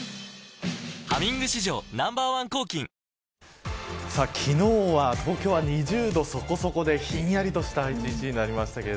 「ハミング」史上Ｎｏ．１抗菌昨日は東京は２０度そこそこでひんやりとした１日になりました。